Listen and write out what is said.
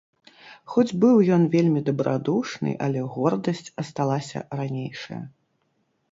Хоць быў ён вельмі дабрадушны, але гордасць асталася ранейшая.